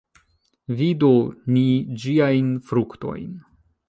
Vidu ni ĝiajn fruktojn!